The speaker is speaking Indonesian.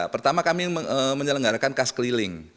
pertama kami menyelenggarakan kas keliling